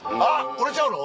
これちゃうの？